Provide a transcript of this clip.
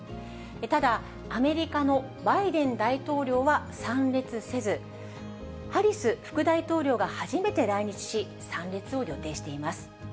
ただ、アメリカのバイデン大統領は参列せず、ハリス副大統領が初めて来日し、参列を予定しています。